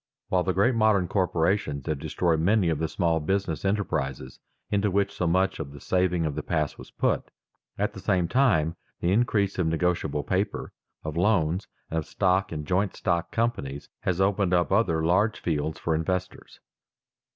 While the great modern corporations have destroyed many of the small business enterprises into which so much of the saving of the past was put, at the same time the increase of negotiable paper, of loans, and of stock in joint stock companies, has opened up other large fields for investors.